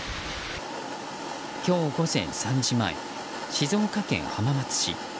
今日午前３時前、静岡県浜松市。